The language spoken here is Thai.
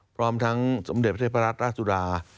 พร้อมทั้งสมเด็จพระเทพรัตนราชสุดา